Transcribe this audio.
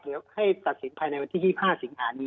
เดี๋ยวให้ตัดสินภายในวันที่๒๕สิงหานี้